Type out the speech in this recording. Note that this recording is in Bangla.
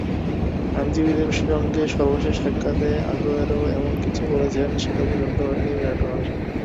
আইনজীবীদের সঙ্গে সর্বশেষ সাক্ষাতে আগুয়েরো এমন কিছু বলেছেন, সেটা পছন্দ হয়নি ম্যারাডোনার।